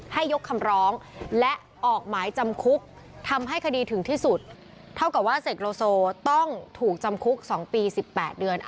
ให้ยกคำร้องและออกหมายจำคุกทำให้คดีถึงที่สุดเท่ากับว่าเสกโลโซต้องถูกจำคุก๒ปี๑๘เดือน